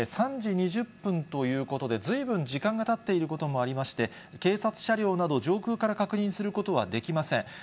３時２０分ということで、ずいぶん時間がたっていることもありまして、警察車両など、上空から確認することはできません。